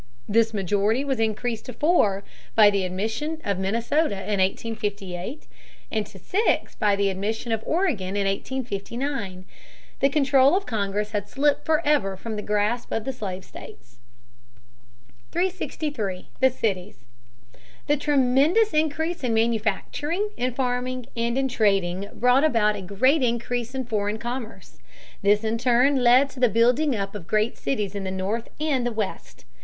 This majority was increased to four by the admission of Minnesota in 1858, and to six by the admission of Oregon in 1859. The control of Congress had slipped forever from the grasp of the slave states. [Sidenote: The cities.] [Sidenote: New York.] [Sidenote: Chicago.] 363. The Cities. The tremendous increase in manufacturing, in farming, and in trading brought about a great increase in foreign commerce. This in turn led to the building up of great cities in the North and the West.